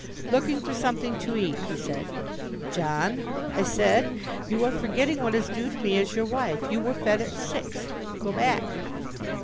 "Looking for something to eat," he said. "John," I said, "you are forgetting what is due to me as your wife. You were fed at six. Go back."